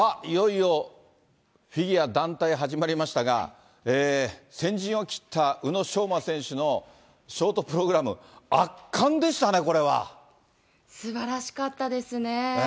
いよいよフィギュア団体、始まりましたが、先陣を切った宇野昌磨選手のショートプログラム、圧巻でしたね、すばらしかったですね。